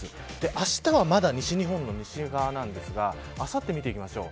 あしたはまだ西日本の西側なんですがあさってを見ていきましょう。